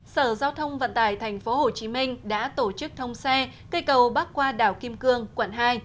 sở giao thông vận tải tp hcm đã tổ chức thông xe cây cầu bắc qua đảo kim cương quận hai